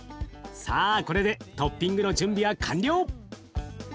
さあこれでトッピングの準備は完了！